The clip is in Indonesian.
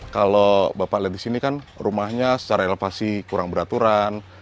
kalau bapak lihat di sini kan rumahnya secara elevasi kurang beraturan